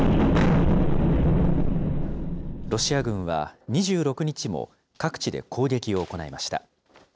ロシア軍は２６日も、各地で攻撃を行いました。